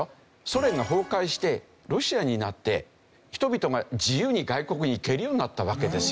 ソ連が崩壊してロシアになって人々が自由に外国に行けるようになったわけですよ。